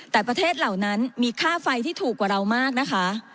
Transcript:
แต่ประเทศเหล่านั้นมีค่าไฟที่ถูกกว่าเรามากนะคะ